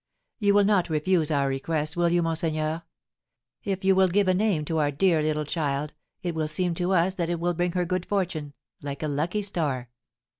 You will not refuse our request, will you, monseigneur? If you will give a name to our dear little child, it will seem to us that it will bring her good fortune, like a lucky star.